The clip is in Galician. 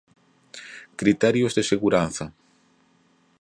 Criterios de seguranza.